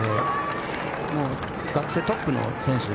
学生トップの選手